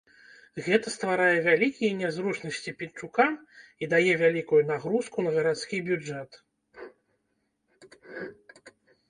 Гэта стварае вялікія нязручнасці пінчукам і дае вялікую нагрузку на гарадскі бюджэт.